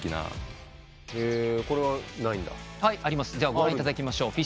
ではご覧いただきましょう。